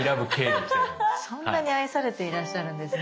そんなに愛されていらっしゃるんですね。